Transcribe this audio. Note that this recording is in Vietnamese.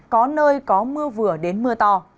có nơi có mưa vừa đến mưa to